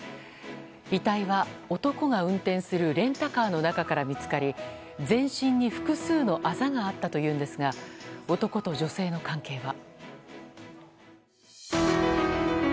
遺体は男が運転するレンタカーの中から見つかり全身に複数のあざがあったというんですが男と女性の関係は。